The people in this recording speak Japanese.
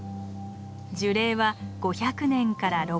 樹齢は５００年から６００年。